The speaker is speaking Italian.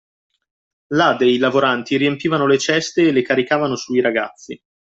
Là dei lavoranti riempivano le ceste e le caricavano sui ragazzi